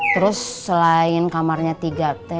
terus selain kamarnya tiga t